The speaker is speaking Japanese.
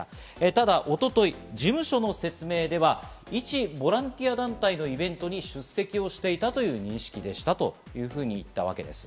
ただ一昨日、事務所の説明ではいちボランティア団体のイベントに出席をしていたという認識でしたというふうに言ったわけです。